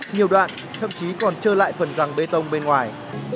nhiều đoạn thậm chí còn trơ lại phần răng bê tông bên ngoài